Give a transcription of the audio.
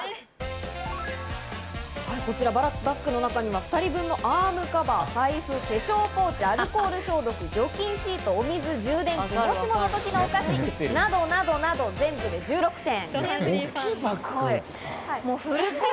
こちらバッグの中には２人分のアームカバー、財布、化粧ポーチ、アルコール消毒、除菌シート、お水、充電器、お菓子などなど、全部で１６点。